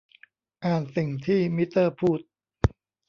อ่านสิ่งที่มิเตอร์พูด